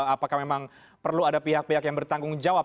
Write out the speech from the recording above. apakah memang perlu ada pihak pihak yang bertanggung jawab